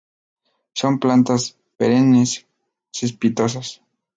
Son plantas perennes, cespitosas.